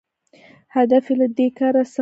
هدف یې له دې کاره څخه داده